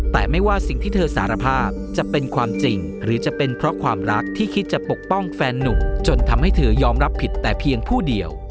แต่ไม่ว่าสิ่งที่เธอสารภาพจะเป็นความจริงหรือจะเป็นเพราะความรักที่คิดจะปกป้องแฟนนุ่มจนทำให้เธอยอมรับผิดแต่เพียงผู้เดียว